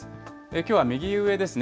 きょうは右上ですね。